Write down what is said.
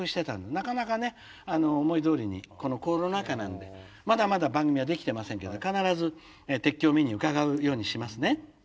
なかなかね思いどおりにこのコロナ禍なんでまだまだ番組はできてませんけど必ず鉄橋を見に伺うようにしますね。